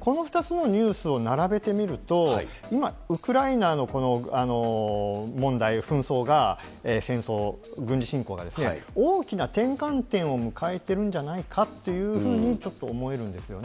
この２つのニュースを並べてみると、今、ウクライナの問題、紛争が戦争、軍事侵攻が、大きな転換点を迎えてるんじゃないかというふうにちょっと思えるんですよね。